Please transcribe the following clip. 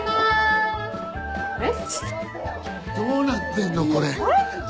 ・どうなってんのこれ・あれ？